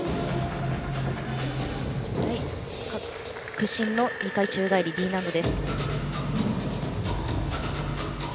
屈身の２回宙返りＤ難度。